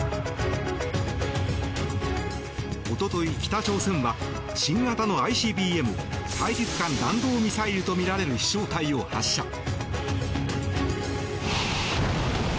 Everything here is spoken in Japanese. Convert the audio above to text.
おととい、北朝鮮は新型のＩＣＢＭ・大陸間弾道ミサイルとみられる飛翔体を発射。